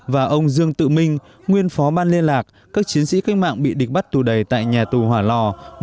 và ông dương tự minh nguyên phó ban liên lạc các chiến sĩ cách mạng bị địch bắt tù đầy tại nhà tù hòa lò một nghìn chín trăm ba mươi một nghìn chín trăm năm mươi bốn